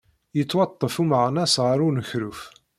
Yettwaṭṭef umeɣnas ɣer unekruf.